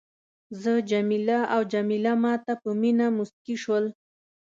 زه جميله او جميله ما ته په مینه مسکي شول.